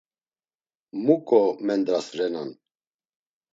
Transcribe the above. Muǩo mendras renan?